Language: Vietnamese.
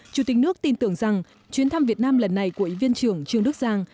chủ tịch nước tin tưởng rằng chuyến thăm việt nam lần này của ủy viên trưởng trương đức giang